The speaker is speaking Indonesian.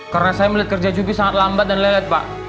karena saya melihat kerja jupi sangat lambat dan lelet pak